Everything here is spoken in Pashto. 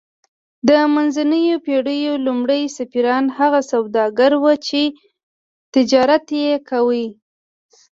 د منځنیو پیړیو لومړي سفیران هغه سوداګر وو چې تجارت یې کاوه